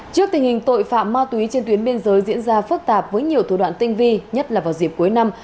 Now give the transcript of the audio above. trước tình hình tội phạm ma túy trên tuyến biên giới diễn ra phức tạp với nhiều thủ đoạn tinh vi nhất là vào dịp cuối năm